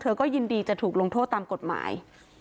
ก็ยินดีจะถูกลงโทษตามกฎหมาย